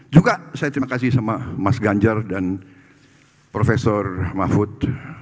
juga saya terima kasih sama mas ganjar dan prof mahfud